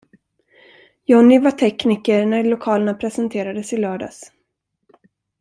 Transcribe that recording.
Johnny var tekniker när lokalerna presenterades i lördags.